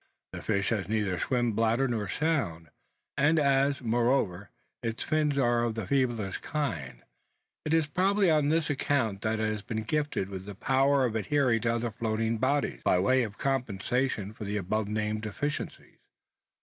The fish has neither swim bladder nor sound; and as, moreover, its fins are of the feeblest kind, it is probably on this account that it has been gifted with the power of adhering to other floating bodies, by way of compensation for the above named deficiencies.